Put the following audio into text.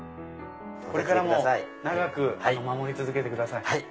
これからも長く守り続けてください。